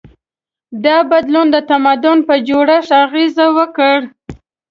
دا بدلون د تمدن په جوړښت اغېز وکړ.